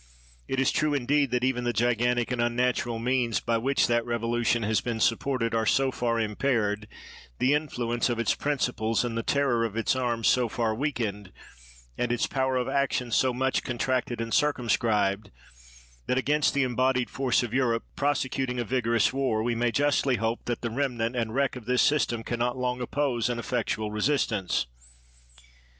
It is true indeed that even the gigantic and unnatural means by which that Revolution has been sup ported are so far impaired, the influence of its principles and the terror of its arms so far weakened, and its power of action so much con tracted and circumscribed, that against the em bodied force of Europe, prosecuting a vigorous war, we may justly hope that the remnant and 26 PITT wreck of this system can not long oppose an effectual resistance.